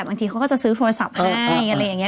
บางทีเขาก็จะซื้อโทรศัพท์ให้อะไรอย่างนี้